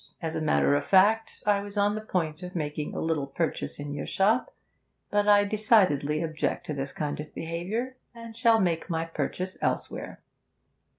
As a matter of fact, I was on the point of making a little purchase in your shop, but I decidedly object to this kind of behaviour, and shall make my purchase elsewhere.'